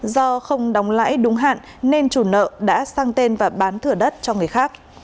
do không đóng lãi đúng hạn nên chủ nợ đã sang tên và bán thửa đất cho người khác